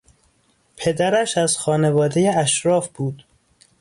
پدرش از خانوادهی اشراف بود.